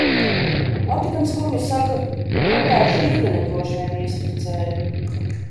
Pati gan skumji saka, ka to tā žīdene droši vien iespricēja.